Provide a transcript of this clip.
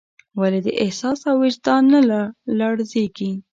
ولې دې احساس او وجدان نه رالړزېږي.